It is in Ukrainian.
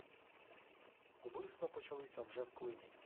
Убивства почалися вже в Клині